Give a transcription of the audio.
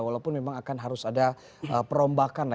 walaupun memang akan harus ada perombakan